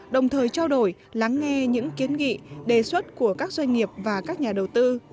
đồng thời trao đổi lắng nghe những kiến nghị đề xuất của các doanh nghiệp và các nhà đầu tư